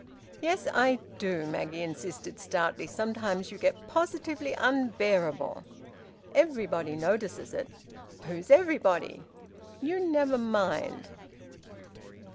"Yes; I do!" Maggie insisted stoutly. "Sometimes you get positively unbearable. Everybody notices it." "Who's everybody?" "You never mind!"